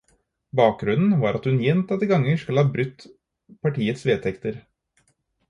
Bakgrunnen var at hun gjentatte ganger skal ha brutt partiets vedtekter.